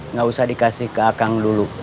nggak usah dikasih ke akang dulu